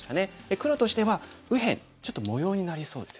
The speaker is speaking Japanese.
黒としては右辺ちょっと模様になりそうですよね。